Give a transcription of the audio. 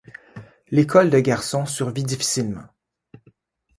L’école de garçons survit difficilement.